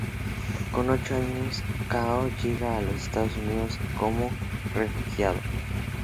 Con ocho años, Cao llega a los Estados Unidos como refugiado.